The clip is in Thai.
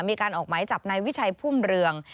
มีการออกไหมจับในวิชัยภูมิเรือง